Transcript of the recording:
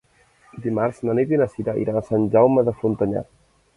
Dimarts na Nit i na Cira iran a Sant Jaume de Frontanyà.